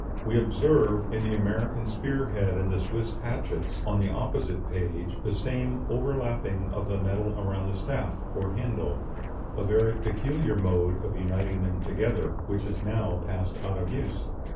We observe, in the American spear head and the Swiss hatchets, on the opposite page, the same overlapping of the metal around the staff, or handle a very peculiar mode of uniting them together, which has now passed out of use.